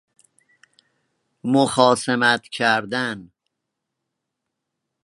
مخاصمت کردن